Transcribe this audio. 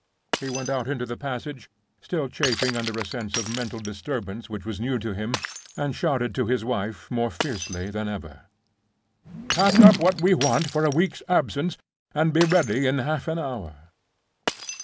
He went out into the passage, still chafing under a sense of mental disturbance which was new to him, and shouted to his wife more fiercely than ever—"Pack up what we want for a week's absence, and be ready in half an hour!"